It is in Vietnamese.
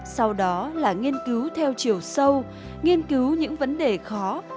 sau đó là nghiên cứu theo chiều sâu nghiên cứu những vấn đề khó